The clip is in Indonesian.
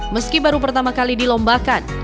meski baru pertama kali dilombakan